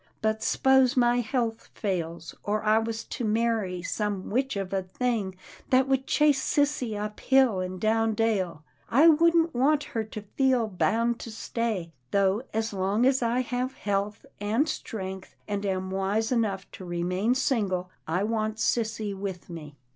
But s'pose my health fails, or I was to marry some witch of a thing that would chase sissy up hill and down dale — I wouldn't want her to feel bound to stay, though as long as I have health and strength, and am wise enough to remain single, I want sissy with me."